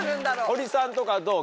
堀さんとかどう？